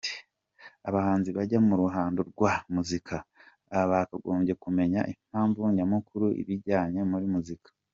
Abahanzi bajya mu ruhando rwa muzika, bakagombye kumenya impamvu nyamukuru ibajyanye muri muzika.